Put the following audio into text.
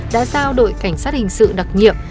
đã giao đội cảnh sát hình sự đặc nhiệm